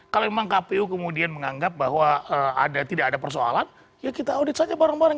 kalau memang kpu kemudian menganggap bahwa tidak ada persoalan ya kita audit saja bareng bareng